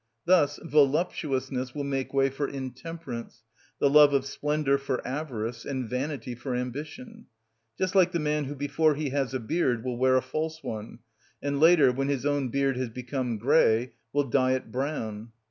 Thus voluptuousness will make way for intemperance, the love of splendour for avarice, and vanity for ambition; just like the man who before he has a beard will wear a false one, and later, when his own beard has become grey, will dye it brown.